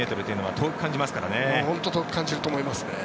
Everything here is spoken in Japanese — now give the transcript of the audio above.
遠く感じると思いますね。